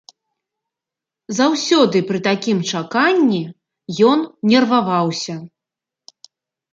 Заўсёды пры такім чаканні ён нерваваўся.